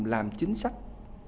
làm chính sách